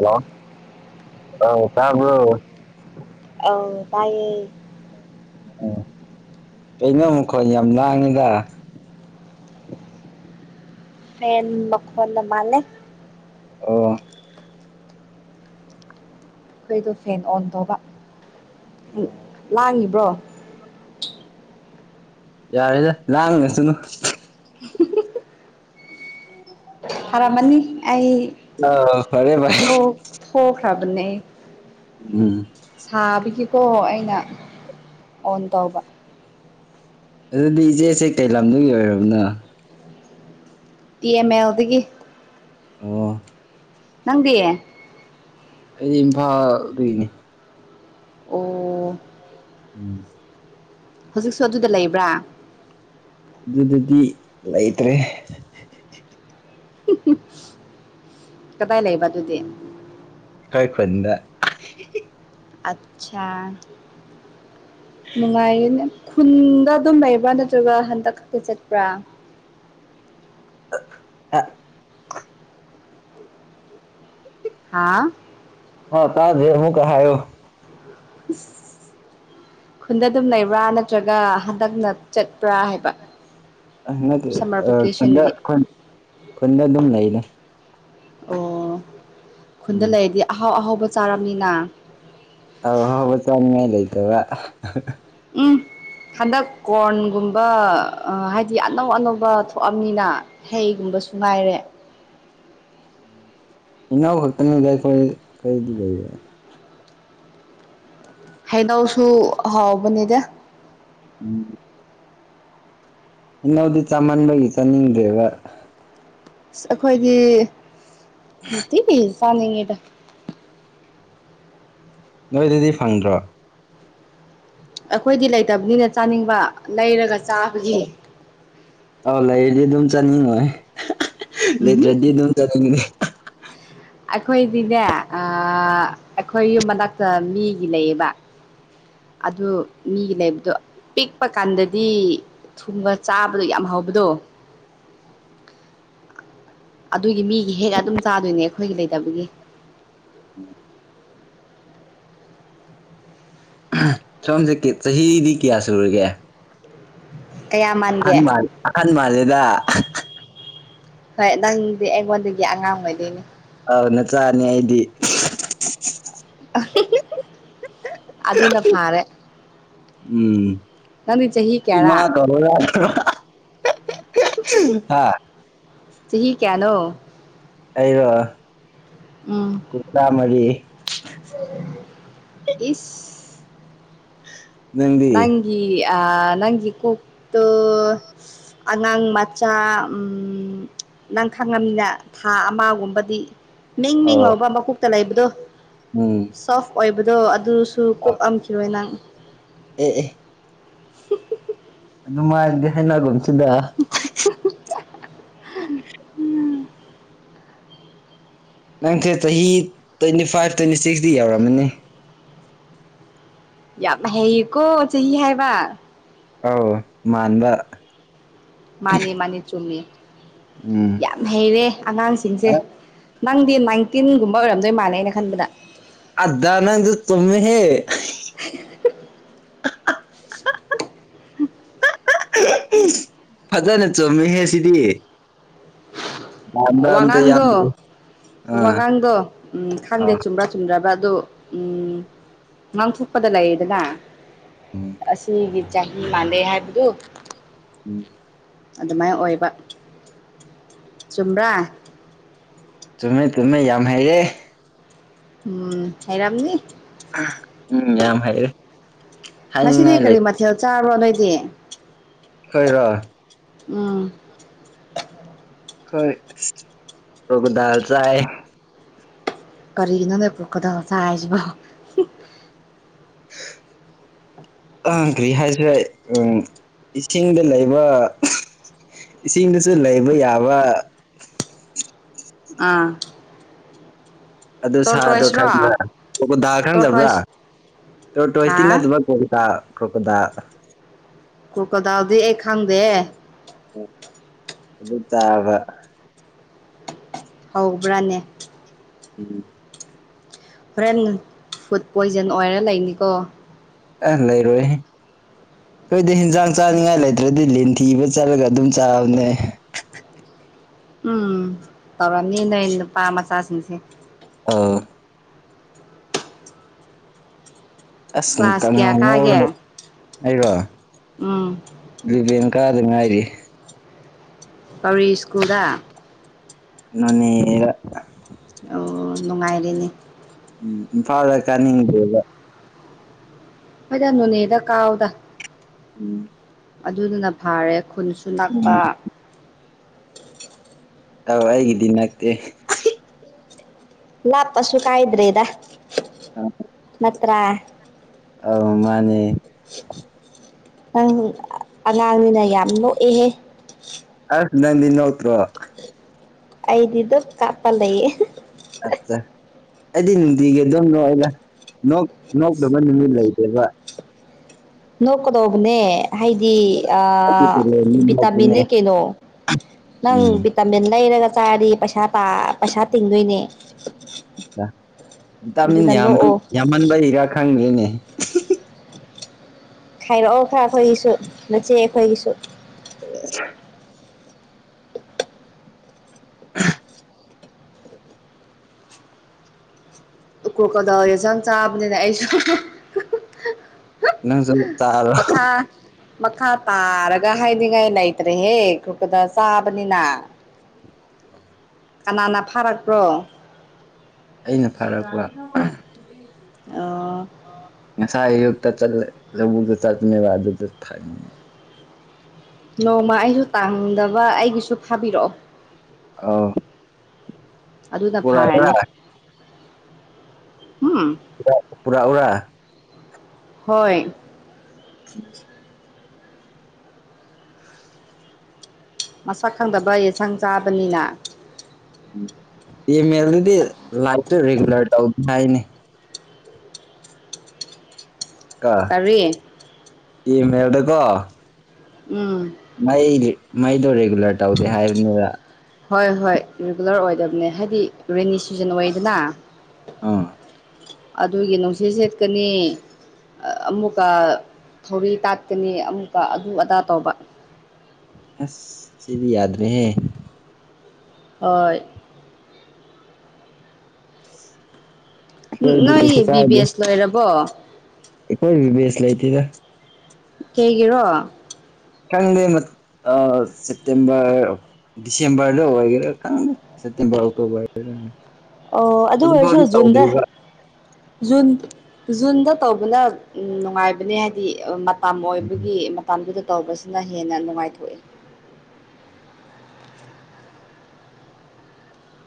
Hello ꯑ ꯇꯥꯕꯔꯣ ꯑ ꯇꯏꯌꯦ꯫ ꯑꯣ ꯑꯩꯅ ꯃꯈꯨꯛꯣꯟ ꯌꯥꯝ ꯂꯥꯡꯉꯤꯗ ꯐꯟ ꯃꯣꯟꯅ ꯃꯥꯂꯦ꯫ ꯑꯣ ꯑꯩꯩꯗꯣ ꯐꯦꯟ ꯑꯣꯟ ꯇꯧꯕ ꯂꯥꯡꯉꯤꯕ꯭ꯔꯣ ꯌꯥꯔꯦꯗ ꯂꯥꯡꯉꯁꯅꯨ [inaudible] ꯐꯔ ꯃꯅꯤ ꯑꯩ ꯑꯥ ꯐꯔꯦ ꯐꯔꯦ ꯊ ꯊꯣ ꯐ꯭ꯔꯕꯅꯦ꯫ ꯎꯝ ꯁꯥꯕꯤꯒꯀꯣ ꯑꯩꯅ ꯑꯣꯟ ꯇꯧꯕ ꯑꯗꯨꯗꯤ ꯏꯆꯦꯁꯦ ꯀꯩ ꯂꯝꯗꯨꯒꯤ ꯑꯣꯏꯔꯕꯅꯣ ꯄꯤ ꯑꯦꯝ ꯑꯦꯜꯗꯒꯤ ꯑꯣ ꯅꯪꯗꯤ꯫ ꯑꯩꯗꯤ ꯏꯝꯐꯥꯜꯒꯤ꯫ ꯑꯣ ꯑꯣ ꯎꯝ ꯍꯧꯖꯤꯛꯁꯨ ꯑꯗꯨꯗ ꯂꯩꯕ꯭ꯔꯥ? ꯑꯗꯨꯗꯗꯤ ꯂꯩꯇ꯭ꯔꯦ꯫ [inaudible] ꯀꯗꯥꯏ ꯂꯩꯕ ꯑꯗꯨꯗꯤ꯫ ꯑꯩꯣꯏ ꯈꯨꯟꯗ ꯑꯆꯥ ꯅꯨꯡꯉꯥꯏꯅꯦ꯫ ꯈꯨꯟꯗ ꯑꯗꯨꯝ ꯂꯩꯕ꯭ꯔꯥ ꯅꯠꯇ꯭ꯔꯒ ꯍꯟꯗꯛ ꯈꯛꯇ ꯆꯠꯄ꯭ꯔꯥ ꯍꯥ ꯍꯥꯥ ꯍ ꯇꯥꯗꯔꯦ ꯑꯃꯨꯛꯀꯥ ꯍꯨꯌꯣ ꯫ ꯏꯁꯥ ꯈꯨꯟꯗ ꯑꯗꯨꯝ ꯂꯩꯕ꯭ꯔꯥ ꯅꯠꯇ꯭ꯔꯒ ꯍꯟꯗꯛꯅ ꯆꯠꯄ꯭ꯔꯥ ꯍꯥꯏꯕ ꯑ ꯁꯝꯃꯔ ꯑ ꯚꯦꯀꯦꯁꯟꯒꯤ ꯈꯨ ꯈꯨꯗ ꯑꯗꯨꯝ ꯂꯩꯏꯂ ꯑꯣ ꯈꯨꯟꯗ ꯂꯩꯔꯗꯤ ꯑꯍꯥꯎ ꯑꯍꯥꯎꯕ ꯆꯥꯔꯕꯅꯤꯅ꯫ ꯑꯍꯎ ꯆꯉ ꯂꯩꯇ ꯋꯥ ꯏꯁꯥ ꯍꯟꯗꯛ ꯀꯣꯔꯟꯒꯨꯝꯕ ꯍꯥꯏꯗꯤ ꯑꯅꯧ ꯑꯅꯧꯕ ꯊꯣꯛꯑꯕꯅꯤꯅ ꯍꯩꯒꯨꯝꯕꯁꯨ ꯉꯥꯏꯔꯦ꯫ ꯏꯅꯥꯎ ꯈꯛꯇꯅꯤꯗ ꯑꯩꯈꯣꯏ ꯀꯔꯤꯗꯤ ꯂꯩꯕꯦ꯫ ꯍꯩꯅꯧꯁꯨ ꯍꯥꯎꯕꯅꯦꯗ ꯎꯝ ꯏꯅꯧꯗꯤ ꯆꯥꯃꯟꯕꯒꯤ ꯆꯥꯅꯤꯡꯗ꯭ꯔꯦꯕ ꯑ ꯑꯩꯈꯣꯏꯗꯤ ꯅꯨꯡꯇꯤꯒꯤꯤ ꯆꯥꯅꯤꯡꯉꯤꯗ ꯅꯣꯏꯗꯗꯤ ꯐꯪꯗ꯭ꯔꯣ ꯑꯩꯈꯣꯏꯗꯤ ꯂꯩꯇꯕꯅꯤꯅ ꯆꯥꯅꯤꯡꯕ ꯂꯩꯔꯒ ꯆꯥꯕꯒꯤ꯫ ꯑꯧ ꯂꯩꯔꯗꯤ ꯑꯗꯨꯝ ꯆꯠꯅꯤꯡꯉꯣꯏ ꯎꯝꯍꯨꯝ ꯂꯩꯇ꯭ꯔꯗꯤ ꯑꯗꯨꯝ ꯆꯠꯅꯤꯡꯉꯅꯤ꯫ ꯑꯩꯈꯣꯏꯗꯤꯅꯦ ꯑꯩꯈꯣꯏ ꯌꯨꯝ ꯃꯅꯥꯛꯇ ꯃꯤꯒꯤ ꯂꯩꯌꯦꯕ꯫ ꯑꯗꯨ ꯃꯤꯒꯤ ꯂꯩꯕꯗꯣ ꯄꯤꯛꯄ ꯀꯥꯟꯗꯗꯤ ꯊꯨꯝꯕ ꯆꯥꯕꯗꯣ ꯌꯥꯝ ꯍꯕꯗꯣ ꯑꯗꯨꯒꯤ ꯃꯤꯒꯤ ꯍꯦꯛꯑ ꯑꯗꯨꯝ ꯆꯥꯗꯣꯏꯅꯦ ꯑꯩꯈꯣꯏꯒꯤ ꯂꯩꯇꯕꯒꯤ ꯁꯣꯝꯁꯦ ꯆꯍꯤꯗꯤ ꯀꯌꯥ ꯁꯨꯔꯒꯦ ꯀꯌꯥ ꯃꯥꯟꯒꯦ ꯑꯍꯟ ꯃꯥꯜ ꯑꯍꯟ ꯃꯥꯜꯂꯤꯗ ꯍꯣꯏ ꯅꯪꯗꯤ ꯑꯩꯉꯣꯟꯗꯒꯤ ꯑꯉꯥꯡ ꯑꯣꯏꯗꯣꯏꯅꯤ ꯑ ꯅꯆꯥꯅꯦ ꯑꯩꯗꯤ ꯑꯗꯨꯅ ꯐꯥꯔꯦ ꯎꯝ ꯅꯪꯗꯤ ꯆꯍꯤ ꯏꯃꯥ ꯀꯌꯥꯔꯥ ꯀꯧꯔꯣꯔ ꯍꯥꯥ ꯆꯍꯤ ꯀꯌꯥꯅꯣ ꯑꯩꯔꯣ ꯎꯝ ꯀꯨꯟꯊ꯭ꯔꯥ ꯃꯔꯤ ꯏꯁ ꯅꯪꯗꯤ ꯅꯪꯒꯤ ꯑ ꯅꯪꯒꯤ ꯀꯣꯛꯇꯣ ꯑꯉꯥꯡ ꯃꯆꯥ ꯎꯝ ꯅꯪ ꯈꯪꯉꯝꯅꯤꯅ ꯊꯥ ꯑꯃꯒꯨꯝꯕꯗꯤ ꯃꯤꯡ ꯑꯣ ꯃꯤꯡꯂꯥꯎꯕ ꯃꯀꯣꯛꯇ ꯂꯩꯕꯗꯣ ꯎꯝ ꯁꯣꯐ ꯑꯣꯏꯕꯗꯣ ꯑꯗꯨꯁꯨ ꯀꯣꯛꯑꯝꯈꯤꯔꯣꯏ ꯅꯪ ꯑꯦ ꯑꯦ ꯑꯗꯨꯃꯥꯏꯅꯗꯤ ꯍꯥꯏꯅꯒꯨꯝꯁꯤꯗ ꯅꯪꯁꯦ ꯆꯍꯤ ꯇ꯭ꯋꯦꯟꯇꯤ ꯐꯥꯏꯚ ꯇ꯭ꯋꯦꯟꯇꯤ ꯁꯤꯛꯁꯇꯤ ꯌꯧꯔꯝꯃꯅꯤ ꯌꯥꯝ ꯍꯩꯌꯦꯀꯣ ꯆꯍꯤ ꯍꯥꯏꯕ ꯑꯧ ꯃꯥꯟꯕꯥ ꯃꯥꯅꯤ ꯃꯥꯅꯤ ꯆꯨꯝꯃꯤ ꯎꯝ ꯌꯥꯝ ꯍꯩꯔꯦ ꯑꯉꯥꯡꯁꯤꯡꯁꯦ ꯅꯪꯗꯤ ꯅꯥꯏꯟꯇꯤꯟꯒꯨꯝꯕ ꯑꯣꯏꯔꯝꯗꯣꯏ ꯃꯥꯜꯂꯦ ꯑꯩꯅ ꯈꯟꯕꯗ ꯑꯗ ꯅꯪꯁꯨ ꯆꯨꯝꯃꯦꯍꯦ [unintelligible] [unintelligible] [unintelligible] ꯐꯖꯅ ꯆꯨꯝꯃꯤꯍꯦ ꯁꯤꯗꯤ ꯌꯥꯝꯕ ꯑꯝꯇ ꯋꯥꯉꯥꯡꯗꯣ ꯌꯥꯝꯗ꯭ꯔꯤ ꯑꯥ ꯋꯥꯉꯥꯡꯗꯣ ꯎꯝ ꯈꯥꯡꯗꯦ ꯑꯥ ꯆꯨꯝꯕ꯭ꯔꯥ ꯆꯨꯝꯗ꯭ꯔꯕ ꯑꯗꯨ ꯎꯝ ꯉꯥꯡꯊꯣꯛꯄꯗ ꯂꯩꯌꯦꯗꯅ ꯎꯝ ꯑꯁꯤꯒꯤ ꯆꯍꯤ ꯃꯥꯟꯂꯦ ꯍꯥꯏꯕꯗꯨ ꯎꯝ ꯑꯗꯨꯃꯥꯏꯅ ꯑꯣꯏꯕ ꯆꯨꯝꯕꯔꯥ ꯆꯨꯝꯃꯦ ꯇꯨꯝꯃꯦ ꯌꯥꯝ ꯍꯩꯔꯦ ꯎꯝ ꯍꯩꯔꯝꯅꯤ ꯎꯝ ꯌꯥꯝ ꯍꯩꯔꯦ ꯉꯁꯤꯗꯤ ꯍꯥꯏꯅꯤꯡꯉꯥꯏ ꯂꯩ ꯀꯔꯤ ꯃꯊꯦꯜ ꯆꯥꯔꯕ ꯅꯣꯏꯗꯤ ꯑꯩꯔꯣ ꯎꯝ ꯈꯣꯏ ꯀꯣꯀꯣꯗꯥꯏꯜ ꯆꯥꯏꯌꯦ ꯀꯔꯤꯅꯣꯅꯦ ꯀꯣꯀꯣꯗꯏꯜ ꯆꯥꯏ ꯍꯥꯏꯁꯤꯕꯣ [inaudible] ꯑ ꯀꯔꯤ ꯍꯥꯏꯁꯤꯔ ꯑꯝ ꯏꯁꯤꯡꯗ ꯂꯩꯕ ꯏꯁꯤꯡꯗꯁꯨ ꯂꯩꯕ ꯌꯥꯕ ꯑꯥ ꯑꯗꯨ ꯁꯥꯗꯣ ꯇꯣꯔꯇꯣꯏꯁꯔꯣ ꯈꯪꯕꯔ ꯀꯣꯀꯣꯗꯥꯏꯜ ꯈꯪꯗꯕꯔꯥ ꯇꯣꯔꯇꯣꯏꯁ ꯍꯥ ꯇꯣꯔꯇꯣꯁꯇꯤ ꯅꯠꯇꯕ ꯀꯣꯀꯣ ꯀ꯭ꯔꯣꯀꯣꯗꯥꯏꯜ ꯀꯣꯀꯣꯗꯥꯏꯜ ꯗꯤ ꯑꯩ ꯈꯪꯗꯦꯍꯦ ꯑꯣ ꯑꯗꯨ ꯇꯥꯕ ꯍꯧꯕ꯭ꯔꯥꯅꯦ ꯎꯝ ꯍꯣꯔꯦꯟ ꯐꯨꯗ ꯄꯣꯏꯖꯟ ꯑꯣꯏꯔ ꯂꯩꯅꯤꯀꯣ ꯑꯦ ꯂꯩꯔꯣꯏꯍꯦ ꯑꯩꯈꯣꯏꯗꯤ ꯍꯤꯟꯖꯥꯡ ꯆꯥꯅꯤꯡꯉꯥꯏ ꯂꯩꯇ꯭ꯔꯗꯤ ꯂꯤꯟ ꯊꯤꯕ ꯆꯠꯂꯒ ꯑꯗꯨꯝ ꯆꯥꯕꯅꯦ ꯎꯝ ꯇꯧꯔꯝꯅꯤ ꯅꯣꯏ ꯅꯨꯄꯥ ꯃꯆꯥꯁꯤꯡꯁꯦ ꯑꯥ ꯑꯁ ꯀ꯭ꯂꯥꯁ ꯀꯌꯥ ꯀꯪꯉꯧ ꯀꯥꯒꯦ ꯉꯧꯔꯥꯒ ꯑꯩꯔꯣ ꯎꯝ ꯏꯂꯤꯕꯦꯟ ꯀꯥꯗꯥ ꯉꯥꯏꯔꯤꯌꯦ ꯀꯔꯤ ꯁꯀꯨ꯭ꯜꯗ ꯅꯣꯅꯦꯗ ꯑꯣ ꯅꯨꯡꯉꯥꯏꯔꯤꯅꯦ ꯎꯝ ꯏꯝꯐꯥꯜꯗ ꯀꯥꯅꯤꯡꯗꯦꯕ ꯍꯣꯏꯗꯥ ꯅꯣꯅꯦꯗ ꯀꯥꯥꯎꯗ ꯎꯝ ꯑꯗꯨꯗꯨꯅ ꯐꯥꯔꯦ ꯈꯨꯟꯁꯨ ꯅꯛꯄ ꯗꯣ ꯑꯩꯒꯤꯗꯤ ꯅꯛꯇꯦ ꯂꯥꯞꯄꯁꯨ ꯀꯥꯏꯗ꯭ꯔꯦꯗ [unintelligible] ꯅꯠꯇ꯭ꯔꯥ ꯑꯧ ꯃꯥꯅꯦ ꯅꯪ ꯑꯉꯥꯡꯅꯤꯅ ꯌꯥꯝ ꯂꯣꯛꯑꯦꯍꯦ ꯑꯁ ꯅꯪꯗꯤ ꯅꯣꯛꯇ꯭ꯔꯣ ꯑꯩꯗꯤ ꯗꯨꯝ ꯀꯥꯞꯄ ꯂꯩꯌꯦ [unintelligible] ꯑꯩꯗꯤ ꯅꯨꯡꯇꯤꯒꯤ ꯑꯗꯨꯝ ꯅꯣꯛꯑꯦꯗ ꯅꯣꯛ ꯅꯣꯛꯇꯕ ꯅꯨꯃꯤꯠ ꯂꯩꯇꯦꯕ ꯅꯣꯛꯀꯥꯗꯧꯕꯅꯦ ꯍꯥꯏꯗꯤ ꯑꯩꯒꯤ ꯑꯥ ꯇꯦꯂꯦꯟꯅꯤ ꯅꯣꯛꯄꯅꯦ ꯚꯤꯇꯥꯃꯤꯟꯅꯦ ꯀꯩꯅꯣ ꯅꯪ ꯎꯝ ꯇꯥꯃꯤꯟ ꯂꯩꯔꯒ ꯆꯥꯗꯤ ꯄꯩꯁꯥ ꯇꯥ ꯄꯩꯁꯥ ꯇꯤꯡꯗꯣꯏꯅꯦ ꯚꯤꯇꯥꯃꯤꯟ ꯑꯗꯨꯅ ꯌꯥꯝꯕ ꯅꯣꯛꯑꯣ ꯌꯥꯝꯃꯟꯕꯩꯔꯥ ꯈꯪꯗꯦꯅꯦ ꯈꯥꯏꯔꯛꯑꯣ ꯈꯔ ꯑꯩꯈꯣꯏꯒꯤꯁꯨ ꯅꯆꯦ ꯑꯩꯈꯣꯏꯒꯤꯁꯨ [inaudible] [unintelligible] [inaudible] ꯌꯦꯟꯁꯥꯡ ꯆꯥꯕꯅꯤꯅ ꯑꯁꯨ ꯅꯪꯁꯨ [unintelligible] ꯇꯥꯔꯣ ꯃꯈꯥ ꯃꯈꯥ ꯇꯥꯔꯒ ꯍꯥꯏꯅꯤꯡꯉꯥꯏ ꯂꯩꯇ꯭ꯔꯦꯍꯦ ꯈꯨꯀꯗ ꯆꯥꯕꯅꯤꯅ ꯀꯅꯥꯅ ꯐꯥꯔꯛꯄ꯭ꯔꯣ ꯑꯩꯅ ꯐꯥꯔꯛꯄ ꯑꯣ ꯉꯁꯥꯏ ꯑꯌꯨꯛꯇ ꯆꯠꯂ ꯂꯧꯕꯨꯛꯇ ꯆꯠꯄꯅꯦꯕ ꯑꯗꯨꯗ ꯐꯪ ꯅꯣꯡꯃ ꯑꯩꯁꯨ ꯇꯥꯡꯗꯕ ꯑꯩꯒꯤꯁꯨ ꯐꯥꯕꯤꯔꯛꯑꯣ ꯑꯥꯎ ꯑꯗꯨꯅ ꯐꯥꯔꯅꯤ ꯎꯝ ꯄꯨ ꯄꯨꯔꯛ ꯎꯔꯥ ꯍꯣꯏ ꯎꯝ ꯃꯁꯛ ꯈꯪꯗꯕ ꯌꯦꯟꯁꯥꯡ ꯆꯥꯕꯅꯤꯅ ꯇꯤ ꯑꯦꯝ ꯑꯦꯜ ꯗꯨꯗꯤ ꯂꯥꯏꯠꯇ ꯔꯤꯒꯨꯂꯔ ꯇꯧꯅꯤꯉꯥꯏꯅꯤ ꯀꯣ ꯀꯔꯤ ꯇꯤ ꯑꯦꯝ ꯑꯦꯜꯗꯀꯣ ꯎꯝ ꯃꯩ ꯃꯩꯗꯣ ꯔꯤꯒꯨꯂꯔ ꯇꯧꯗꯦ ꯍꯥꯏꯕꯅꯤꯕ ꯍꯣꯏ ꯍꯣꯏ ꯔꯤꯒꯨꯂꯔ ꯑꯣꯏꯗꯕꯅꯦ ꯍꯥꯏꯗꯤ ꯔꯦꯅꯤ ꯁꯤꯖꯟ ꯑꯣꯏꯗꯅ ꯑꯥ ꯑꯗꯨꯒꯤ ꯅꯨꯡꯁꯤꯠ ꯁꯦꯠꯀꯅꯤ ꯑꯃꯨꯛꯀ ꯊꯧꯔꯤ ꯇꯥꯠꯀꯅꯤ ꯑꯃꯨꯛꯀ ꯑꯗꯨ ꯑꯗꯥ ꯇꯧꯕ ꯑ ꯁꯤꯗꯤ ꯌꯥꯗꯃ ꯍ ꯍꯣꯏ ꯑꯩꯈꯣꯏꯗꯤ ꯅꯣꯏ ꯀꯩꯁꯨ ꯕꯤ ꯕꯤ ꯀꯥꯏꯗꯦ ꯑꯦꯁ ꯂꯣꯏꯔꯕꯣ ꯑꯩꯈꯣꯏ ꯕꯦꯁ ꯂꯩꯇꯦꯗ ꯀꯩꯒꯤꯔꯣ ꯈꯪꯗꯦ ꯁꯦꯞꯇꯦꯝꯕꯔ ꯗꯤꯁꯦꯝꯕꯔ ꯂ ꯑꯣꯏꯒꯦꯔ ꯈꯪꯒꯦ ꯁꯦꯞꯇꯦꯝꯕꯔ ꯑꯣꯛꯇꯣꯕꯔ ꯂ ꯑꯣ ꯑꯗꯨ ꯑꯣꯏꯔꯁꯨꯖꯨꯟꯗ ꯖꯨꯟ ꯖꯨꯟꯗ ꯇꯧꯕꯅ ꯅꯨꯡꯉꯥꯏꯕꯅꯦ ꯍꯥꯏꯗꯤ ꯃꯇꯝꯝ ꯑꯣꯏꯕꯒꯤ ꯃꯇꯗꯨꯗ ꯇꯧꯕꯁꯤꯅ ꯍꯦꯟꯅ ꯅꯨꯡꯉꯥꯏꯊꯣꯛꯏꯦ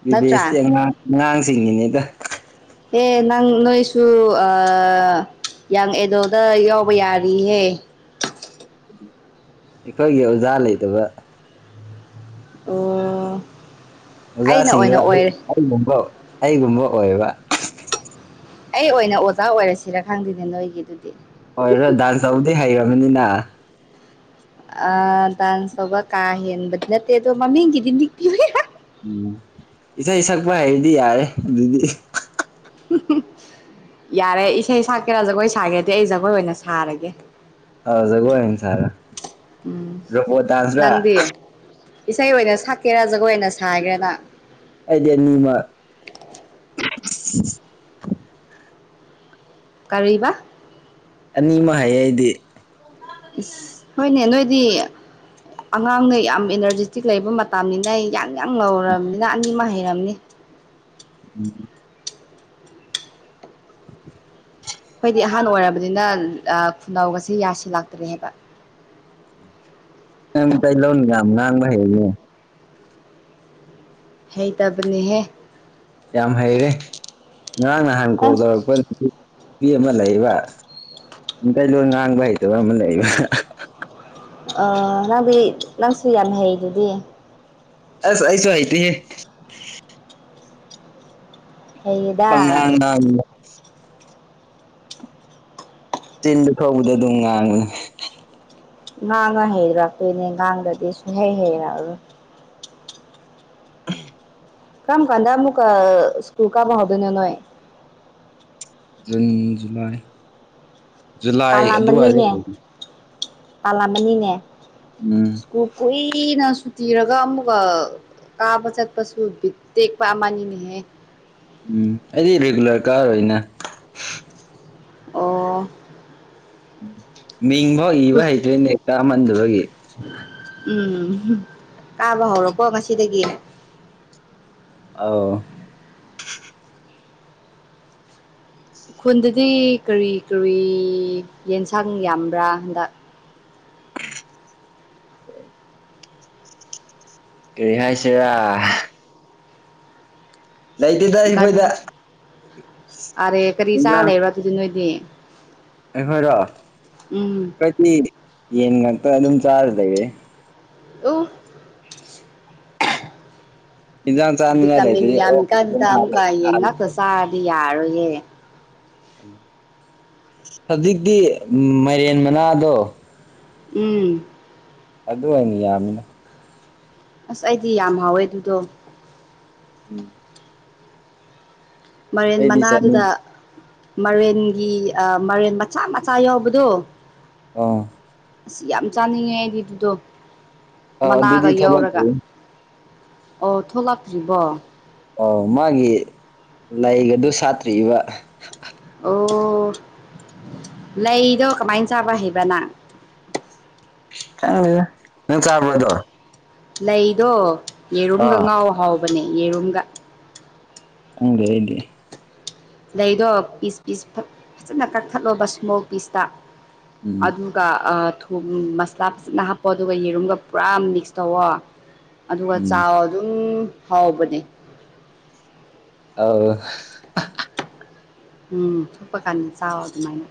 ꯕꯤ ꯅꯠꯇ꯭ꯔꯥ ꯚꯦꯁꯇꯤ ꯑꯉꯥꯡ ꯑꯉꯥꯡꯁꯤꯡꯒꯤꯅꯦꯗ ꯑꯦ ꯅꯪ ꯅꯣꯏꯁꯨ ꯌꯥꯡ ꯑꯦꯗꯣꯗ ꯌꯥꯎꯕ ꯌꯥꯔꯤꯍꯦ ꯑꯩꯈꯣꯏꯒꯤ ꯑꯣꯖꯥ ꯂꯩꯇꯕ ꯑꯣ ꯑꯩꯅ ꯑꯣꯏꯅ ꯑꯣꯏꯔꯦ ꯑꯣꯖꯥꯁꯤꯡꯗꯣꯒꯨꯝꯕ ꯑꯩꯒꯨꯝꯕ ꯑꯣꯏꯕ ꯑꯩ ꯑꯣꯏꯅ ꯑꯣꯖꯥ ꯑꯣꯏꯔꯁꯤꯔ ꯈꯪꯗꯦꯅꯦ ꯅꯣꯏꯒꯤ ꯑꯗꯨꯗꯤ ꯍꯣꯏꯗ ꯗꯥꯟꯁ ꯇꯧꯕꯗꯤ ꯍꯩꯈꯔꯕꯅꯤꯅ ꯑ ꯇꯗꯥꯥꯟꯁꯕ ꯀꯥꯏ ꯍꯅꯦꯗꯣ ꯃꯃꯤꯒꯤꯗꯤꯄꯤ ꯎꯝ ꯏꯁꯩ ꯁꯛꯄ ꯍꯥꯏꯔꯗꯤ ꯌꯥꯔꯦ ꯑꯗꯨꯗꯤ ꯌꯥꯔꯦ ꯏꯁꯩ ꯁꯛꯀꯦꯔꯥ ꯖꯒꯣꯏ ꯁꯥꯒꯦꯗꯤ ꯑꯩ ꯖꯒꯣꯏ ꯑꯣꯏꯅ ꯁꯥꯔꯒꯦ ꯍꯖ ꯀꯣꯁꯔ ꯎꯝ ꯔꯣꯄꯣ ꯇꯗꯥꯁ꯭ꯔꯥ ꯅꯪꯗꯤ ꯏꯁꯩ ꯑꯣꯏꯅ ꯁꯛꯀꯦꯔꯥ ꯖꯒꯣꯏ ꯑꯣꯏꯅ ꯁꯥꯈꯔꯦꯅ ꯑꯩꯗꯤ ꯅꯤꯡꯅꯤꯃ ꯀꯥꯔꯤꯕ ꯑꯅꯤ ꯑꯃ ꯍꯥꯏ ꯑꯩꯗꯤ ꯏꯁ ꯍꯣꯏꯅꯦ ꯅꯣꯏꯗꯤ ꯑꯉꯥꯡꯅ ꯌꯥꯝ ꯏꯅꯔꯖꯤꯦꯇꯤꯛ ꯂꯩꯕ ꯃꯇꯝꯅꯤꯅ ꯑꯩ ꯌꯥꯡ ꯌꯥꯡ ꯉꯧꯔꯕꯅꯤꯅ ꯑꯅꯤꯃ ꯍꯩꯔꯝꯅꯤ ꯎꯝ [inaudible] ꯑꯩꯈꯣꯏꯗꯤ ꯑꯍꯥꯟꯕ ꯑꯣꯏꯔꯕꯅꯤꯅ ꯑ ꯈꯨꯅꯧꯒꯁꯦ ꯌꯥꯁꯤꯜꯂꯥꯛꯇ꯭ꯔꯦꯕ ꯅꯪ ꯃꯩꯇꯩ ꯂꯣꯟ ꯍꯥꯝ ꯉꯥꯡꯕ ꯍꯩꯅꯦ ꯍꯩ ꯇꯕꯅꯦꯍꯦ ꯌꯥꯝ ꯍꯩꯔꯦ ꯉꯔꯥꯡ ꯅꯍꯥꯟ ꯀꯣꯜ ꯅꯪ ꯇꯧꯔꯛꯄ ꯅꯨꯄꯤ ꯑꯃ ꯂꯩꯕ ꯃꯤꯇꯩꯩ ꯂꯣꯟ ꯉꯥꯡꯕ ꯍꯩꯇꯕ ꯑꯃ ꯂꯩꯕ ꯑ ꯅꯪꯗꯤ ꯅꯪꯁꯨ ꯌꯥꯝꯅ ꯍꯩꯗꯨꯗꯤ ꯑꯁ ꯑꯩꯥꯏꯁꯨ ꯍꯩꯇꯦꯍꯦ ꯍꯩꯌꯦꯗ ꯄꯪꯉꯡ ꯉꯥꯡꯉꯤꯕ ꯆꯤꯟꯗ ꯊꯣꯛꯄꯗꯣ ꯑꯗꯨꯝ ꯉꯥꯡꯕꯅꯦ ꯉꯥꯡꯉ ꯍꯩꯔꯛꯇꯣꯏꯅꯦ ꯉꯥꯡꯗꯗꯤ ꯁꯨꯡꯍꯩ ꯍꯩꯔꯛꯑꯔꯣꯏ ꯀꯝ ꯀꯥꯟꯗ ꯃꯨꯀ ꯑ ꯁ꯭ꯀꯨꯜ ꯀꯥꯕ ꯍꯧꯗꯣꯏꯅꯣ ꯅꯣꯏ ꯖꯨꯟ ꯖꯨꯂꯥꯏ ꯖꯨꯂꯥꯏ ꯑꯗꯨꯋꯥꯏꯗ ꯄꯥꯜꯂꯝꯃꯅꯤꯅꯦ ꯄꯥꯜꯂꯝꯃꯅꯤꯅꯦ ꯎꯝ ꯁ꯭ꯀꯨꯜ ꯀꯨꯏꯅ ꯁꯨꯇꯤꯔꯒ ꯑꯃꯨꯒ ꯀꯥꯕ ꯆꯠꯄꯁꯨ ꯕꯤꯠ ꯇꯦꯛꯄ ꯑꯃꯅꯤꯅꯦꯍꯦ ꯎꯝ ꯑꯩꯗꯤ ꯔꯤꯒꯨꯂꯔ ꯀꯥꯔꯣꯏꯅ ꯑꯣ ꯃꯤꯡꯕꯥꯎ ꯏꯕ ꯍꯩꯇ꯭ꯔꯦꯅꯦ ꯀꯃꯟꯗꯕꯒꯤ ꯎꯝ ꯀꯥꯕ ꯍꯧꯔꯣꯀꯣ ꯉꯁꯤꯗꯒꯤ ꯑꯧ ꯈꯨꯟꯗꯗꯤ ꯀꯔꯤ ꯀꯔꯤ ꯌꯦꯟꯁꯥꯡ ꯌꯥꯝꯕ꯭ꯔꯥ ꯍꯟꯗꯛ [unintelligible] ꯀꯔꯤ ꯍꯥꯏꯁꯤꯔ ꯂꯩꯇꯦꯗ ꯒꯥꯟ ꯑꯩꯈꯣꯏꯗ ꯑꯔꯦ ꯀꯔꯤ ꯆꯥ ꯏꯟꯖꯥꯡ ꯂꯩꯕꯔ ꯑꯗꯨꯗꯤ ꯅꯣꯏꯗꯤ ꯑꯩꯈꯣꯏꯔꯣ ꯎꯝ ꯑꯩꯈꯣꯏꯗꯤ ꯌꯦꯟ ꯉꯥꯛꯇ ꯑꯗꯨꯝ ꯆꯥꯔ ꯂꯩꯔꯦ ꯎꯨ ꯏꯟꯖꯥꯡ ꯆꯥꯅꯤꯡꯉꯥꯏ ꯚꯤꯇꯥꯃꯤꯟ ꯂꯩꯇ꯭ꯔꯗꯤ ꯑꯣꯛ ꯑꯗꯨꯝ ꯌꯥꯝꯃꯤꯀꯥꯟꯗ ꯍꯥꯜꯂꯦ ꯑꯃꯨꯛꯀꯥ ꯌꯦꯟ ꯉꯥꯛꯇꯥ ꯆꯥꯔꯗꯤ ꯌꯥꯔꯣꯏꯌꯦ ꯍꯧꯖꯤꯛꯇꯤ ꯃꯥꯏꯔꯦꯟ ꯃꯅꯥꯗꯣ ꯎꯝ ꯑꯗꯨ ꯑꯣꯏꯅ ꯌꯥꯝꯃꯤꯅ ꯑꯁ ꯑꯩꯗꯤ ꯌꯥꯝ ꯍꯥꯎꯋꯦ ꯑꯗꯨꯗꯣ ꯎꯝ ꯃꯥꯏꯔꯦꯟ ꯑꯩꯗꯤ ꯆꯥꯅꯤꯡ ꯃꯅꯥꯗꯨꯗ ꯃꯔꯦꯟꯒꯤ ꯑꯥ ꯃꯔꯦꯟ ꯃꯆꯥ ꯃꯆꯥ ꯌꯥꯎꯕꯗꯣ ꯑꯥ ꯑꯁ ꯌꯥꯝ ꯆꯥꯅꯤꯡꯉꯦ ꯑꯩꯗꯤ ꯑꯗꯨꯗꯣ ꯑꯥꯎ ꯃꯅꯥꯒ ꯑꯗꯨꯗꯤ ꯌꯥꯎꯔꯒ ꯊꯣꯛꯂꯛꯇ꯭ꯔꯤ ꯑꯣ ꯊꯣꯛꯂꯛꯇ꯭ꯔꯤꯕꯣ ꯑꯣ ꯃꯥꯒꯤ ꯂꯩꯒꯗꯨ ꯁꯥꯠꯇ꯭ꯔꯤꯕ ꯑꯣ ꯂꯩꯗꯣ ꯀꯃꯥꯏꯟ ꯆꯥꯕ ꯍꯩꯕ ꯅꯪ ꯈꯪꯗꯦꯗ ꯅꯪ ꯆꯥꯕꯔꯣ ꯑꯗꯣ ꯂꯩꯗꯣ ꯌꯦꯔꯨꯝꯒ ꯑꯥ ꯉꯥꯎ ꯍꯥꯎꯕꯅꯦ ꯌꯦꯔꯨꯝꯒ ꯈꯪꯗꯦ ꯑꯩꯗꯤ ꯂꯩꯗꯣ ꯄꯤꯁ ꯄꯤꯁ ꯐꯠ ꯐꯖꯅ ꯀꯛꯊꯠꯂꯣꯕ ꯏꯁꯃꯣꯜ ꯄꯤꯁꯇ ꯎꯝ ꯑꯗꯨ ꯑꯗꯨꯒ ꯑꯥ ꯊꯨꯝ ꯃꯁꯂꯥ ꯐꯖꯅ ꯍꯥꯞꯄꯣ ꯑꯗꯨꯒꯥ ꯌꯦꯔꯨꯝꯒꯥ ꯄꯨꯔꯥ ꯃꯤꯛꯁ ꯇꯧꯋꯣ ꯑꯗꯨꯒꯥ ꯎꯝ ꯆꯥꯎꯋꯣ ꯑꯗꯨꯝ ꯍꯥꯎꯕꯅꯦ ꯑꯧ ꯎꯝ ꯊꯨꯞꯄ ꯀꯟ ꯆꯥꯎꯋꯣ ꯑꯗꯨꯃꯥꯥꯏꯅ